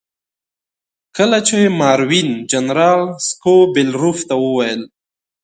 کله چې ماروین جنرال سکوبیلروف ته وویل.